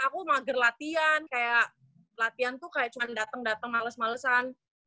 aku mager latihan kayak latihan tuh kayak cuman dateng dateng males malesan